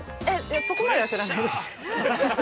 ◆そこまでは知らないです。